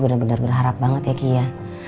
bener bener berharap banget ya kia